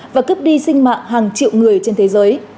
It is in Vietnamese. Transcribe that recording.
và cướp đi sinh mạng hàng triệu người trên thế giới